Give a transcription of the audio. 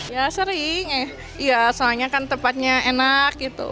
ya sering ya soalnya kan tempatnya enak gitu